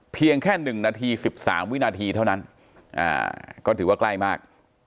เพียงแค่๑นาที๑๓วินาทีเท่านั้นก็ถือว่าใกล้มาก